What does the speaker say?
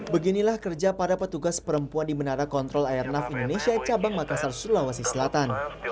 beginilah kerja para petugas perempuan di menara kontrol airnav indonesia cabang makassar sulawesi selatan